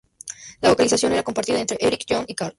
La vocalización era compartida entre Eric, John y Karl.